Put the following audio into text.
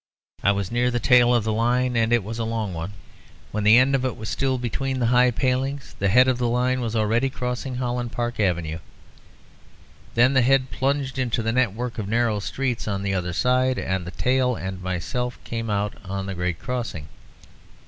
I was near the tail of the line, and it was a long one. When the end of it was still between the high palings, the head of the line was already crossing Holland Park Avenue. Then the head plunged into the network of narrow streets on the other side, and the tail and myself came out on the great crossing.